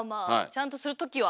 ちゃんとする時は。